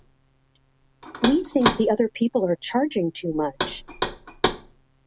We think the other people are charging too much.